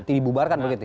tidak dibubarkan begitu